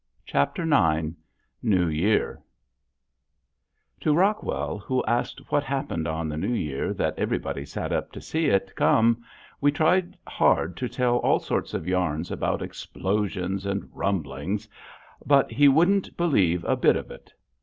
CHAPTER IX NEW YEAR To Rockwell who asked what happened on the New Year that everybody sat up to see it come we tried hard to tell all sorts of yarns about explosions and rumblings, but he wouldn't believe a bit of it.